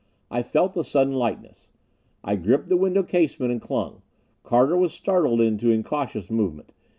I felt the sudden lightness; I gripped the window casement and clung. Carter was startled into incautious movement.